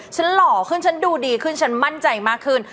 หล่อขึ้นฉันดูดีขึ้นฉันมั่นใจมากขึ้น